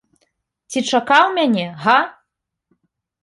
Ці чакаў мяне, га?